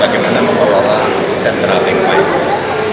bagaimana mengelola central bank maju